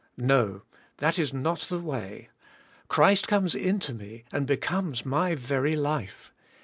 No ! That is not the way. Christ comes into me and becomes my very life.